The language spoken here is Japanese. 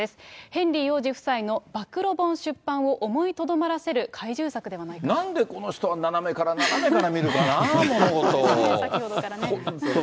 ヘンリー王子夫妻の暴露本出版を思いとどまらせる懐柔策ではないなんで、この人は、斜めから先ほどからね。